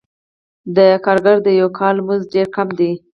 د کارګر د یوه کال مزد ډېر کم دی